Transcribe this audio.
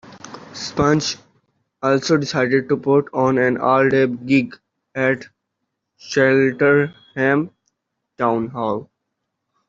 Spunge also decided to put on an all-day gig at Cheltenham Town Hall.